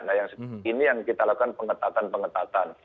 nah ini yang kita lakukan pengetatan pengetatan